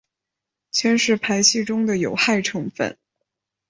铅是排气中的有害成分。